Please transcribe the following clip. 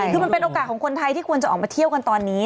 คือมันเป็นโอกาสของคนไทยที่ควรจะออกมาเที่ยวกันตอนนี้